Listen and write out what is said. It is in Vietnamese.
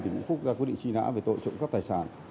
tỉnh nguyễn phúc ra quyết định truy nã về tội trộm cắp tài sản